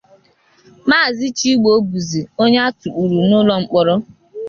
Maazị Chigbo bụzị onye a tụkpuru n'ụlọ mkpọrọ